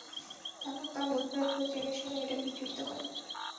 তারপর তা বুঝবার পর জেনে-শুনে এটা বিকৃত করে।